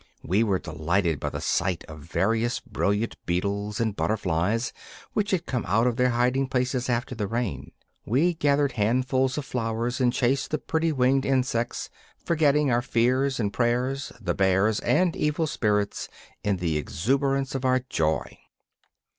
We were delighted by the sight of various brilliant beetles and butterflies which had come out of their hiding places after the rain. We gathered handfuls of flowers and chased the pretty winged insects, forgetting our fears and prayers, the bears and evil spirits, in the exuberance of our joy.